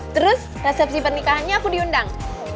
terus resepsi pernikahannya aku diundang